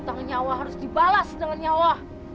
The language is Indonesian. tentang nyawa harus dibalas dengan nyawa